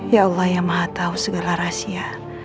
ya allah yang maha tahu segala rahasia